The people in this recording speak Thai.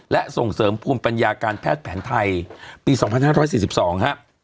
และส่งเสริมภูมิปัญญาการแพทย์แผนไทยปี๒๕๔๒ครับ